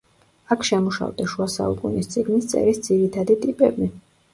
აქ შემუშავდა შუა საუკუნის წიგნის წერის ძირითადი ტიპები.